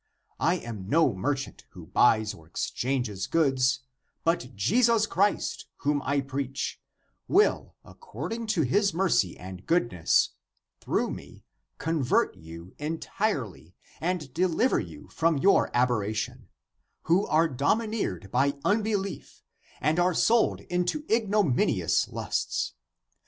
I am no mer chant who buys or exchanges goods, but Jesus Christ, whom I preach, will according to His mercy and goodness through me convert you entirely and deliver you from your aberration, who are domi neered by unbelief and are sold into ignominious lusts.